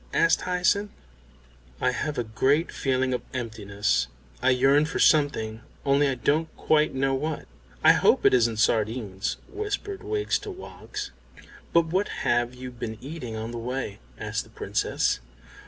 asked Hyacinth. "I have a great feeling of emptiness. I yearn for something, only I don't quite know what." "I hope it isn't sardines," whispered Wiggs to Woggs. "But what have you been eating on the way?" asked the Princess.